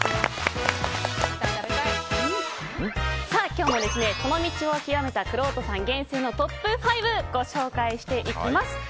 今日もその道を究めたくろうとさん厳選のトップ５ご紹介していきます。